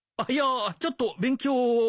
いやちょっと勉強を。